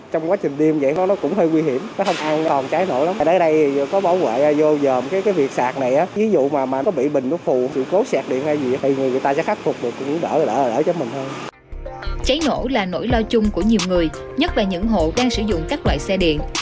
cháy nổ là nỗi lo chung của nhiều người nhất là những hộ đang sử dụng các loại xe điện